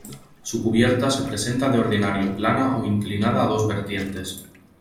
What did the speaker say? Su cubierta se presenta de ordinario plana o inclinada a dos vertientes.